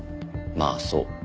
まあそう。